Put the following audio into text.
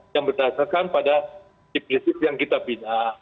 yang berdasarkan pada tipisip yang kita bina